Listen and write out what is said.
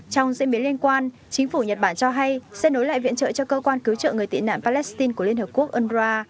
trong diễn biến liên quan chính phủ nhật bản cho hay sẽ nối lại viện trợ cho cơ quan cứu trợ người tị nạn palestine của liên hợp quốc unrwa